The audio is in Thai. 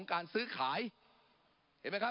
ปรับไปเท่าไหร่ทราบไหมครับ